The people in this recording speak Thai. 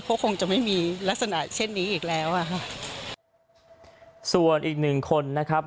ก็คงจะไม่มีลักษณะเช่นนี้อีกแล้วอ่ะค่ะส่วนอีกหนึ่งคนนะครับ